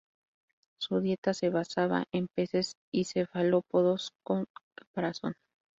Su dieta se basaba en peces y cefalópodos con caparazón.